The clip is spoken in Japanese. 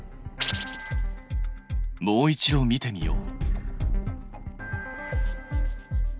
もう一度見てみよう。